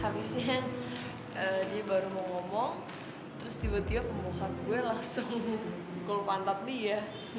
habisnya dia baru mau ngomong terus tiba tiba pembukaan gue langsung kulpad dia